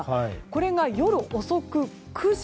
これが夜遅く、９時。